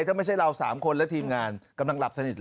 ถ้าไม่ใช่เรา๓คนและทีมงานกำลังหลับสนิท